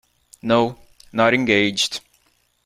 No, not engaged.